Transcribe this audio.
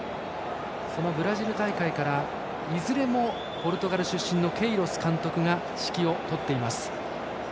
そのブラジル大会からいずれもポルトガル出身のケイロス監督が指揮を執っています。